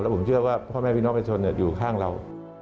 ผมเชื่อว่าพ่อแม่พี่น้องประชาชนอยู่ข้างเรา